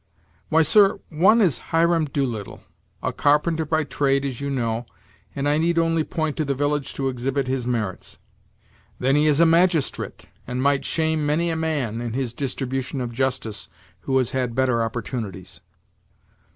"Why, sir, one is Hiram Doolittle; a carpenter by trade, as you know and I need only point to the village to exhibit his merits. Then he is a magistrate, and might shame many a man, in his distribution of justice, who has had better opportunities."